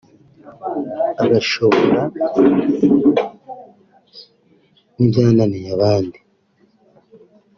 bagashobora n’ibyananiye abandi